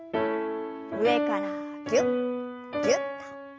上からぎゅっぎゅっと。